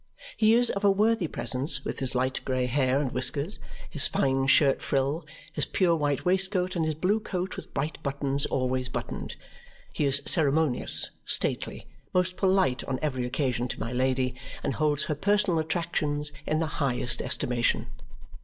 He is of a worthy presence, with his light grey hair and whiskers, his fine shirt frill, his pure white waistcoat, and his blue coat with bright buttons always buttoned. He is ceremonious, stately, most polite on every occasion to my Lady, and holds her personal attractions in the highest estimation.